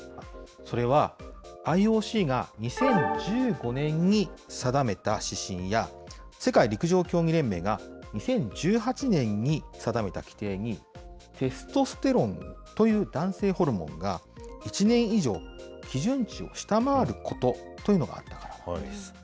それは、ＩＯＣが２０１５年に定めた指針や、世界陸上競技連盟が２０１８年に定めた規定に、テストステロンという男性ホルモンが、１年以上基準値を下回ることというのがあったからです。